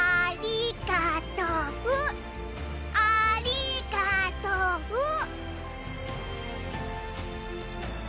ありがとう。